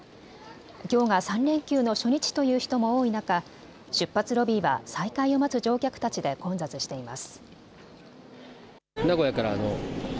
きょうが３連休の初日という人も多い中、出発ロビーは再開を待つ乗客たちで混雑しています。